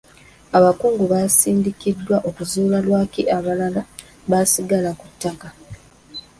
Abakungu baasindikibwa okuzuula lwaki abalaalo baasigala ku ttaka.